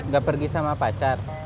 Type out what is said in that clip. gak pergi sama pacar